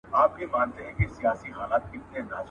• بې مېوې ونه څوک په ډبرو نه ولي.